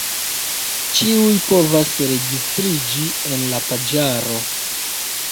Ĉiuj povas registriĝi en la paĝaro.